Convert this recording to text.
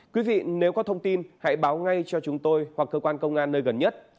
quý vị nếu có thông tin hãy báo ngay cho chúng tôi hoặc cơ quan công an nơi gần nhất